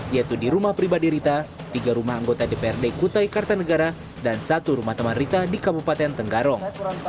yaitu di rumah pribadi rita tiga rumah anggota dprd kutai kartanegara dan satu rumah teman rita di kabupaten tenggarong